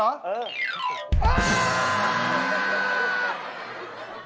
เออไม่จริง